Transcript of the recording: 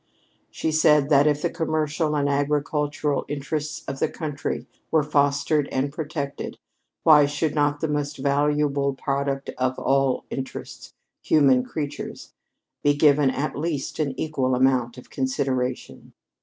She said that if the commercial and agricultural interests of the country were fostered and protected, why should not the most valuable product of all interests, human creatures, be given at least an equal amount of consideration.